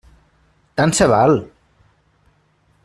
Tant se val!